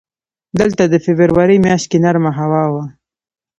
دلته د فبروري میاشت کې نرمه هوا وه.